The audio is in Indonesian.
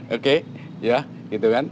oke ya gitu kan